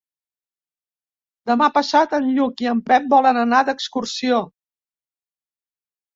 Demà passat en Lluc i en Pep volen anar d'excursió.